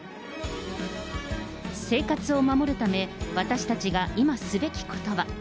生活を守るため、私たちが今すべきことは。